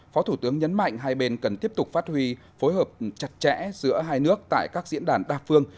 phó thủ tướng nhấn mạnh hai bên cần tiếp tục phát huy phối hợp chặt chẽ giữa hai nước tại các diễn đàn đa phương